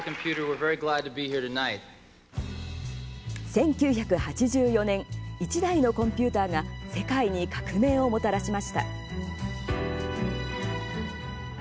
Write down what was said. １９８４年１台のコンピューターが世界に革命をもたらしました。